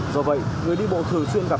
do vậy người đi bộ thường xuyên gặp